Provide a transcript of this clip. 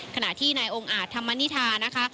ขณะที่นายองค์อาจธรรมนิษฐานะคะ